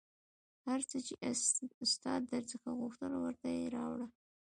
هر څه چې استاد در څخه غوښتل ورته یې راوړه